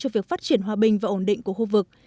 cho việc phát triển hòa bình và ổn định của khu vực